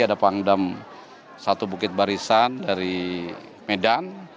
ada pangdam satu bukit barisan dari medan